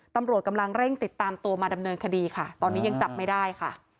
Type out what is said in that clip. ตำรวจกำลังเร่งติดตามตัวมาดำเนินคดีค่ะตอนนี้ยังจับไม่ได้ค่ะ